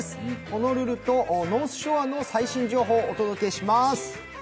ホノルルとノースショアの最新情報をお届けします。